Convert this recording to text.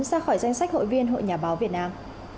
ra khỏi danh sách hội viên hội nhà báo việt nam